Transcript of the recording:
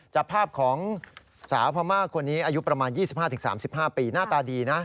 จับภาพของสาวพม่าคนนี้อายุประมาณ๒๕๓๕ปีหน้าตาดีนะ